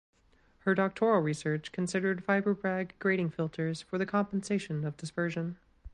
Her doctoral research considered Fiber Bragg grating filters for the compensation of dispersion.